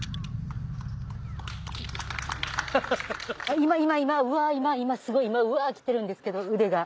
今今うわぁ今すごい。うわ来てるんですけど腕が。